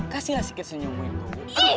kasihlah sikit senyum gue